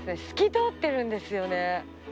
透き通ってるんですよね。